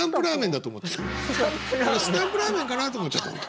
「スタンプラーメン」かなと思っちゃうの。